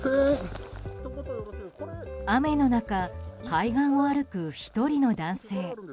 雨の中海岸を歩く１人の男性。